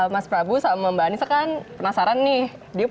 mas prabu sama mbak anissa kan penasaran nih